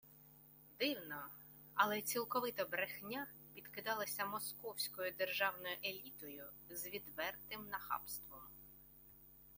Дивно, але цілковита брехня підкидалася московською державною елітою з відвертим нахабством